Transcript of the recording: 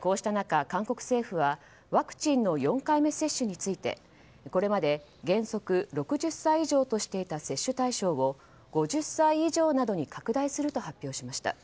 こうした中、韓国政府はワクチンの４回目接種についてこれまで原則６０歳以上としていた接種対象を５０歳以上などに拡大すると発表しました。